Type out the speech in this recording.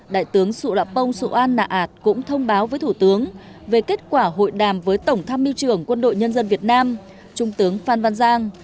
đại tướng sụ đạp bông sụ an nạ ảt cũng thông báo với thủ tướng về kết quả hội đàm với tổng tham miêu trưởng quân đội nhân dân việt nam trung tướng phan văn giang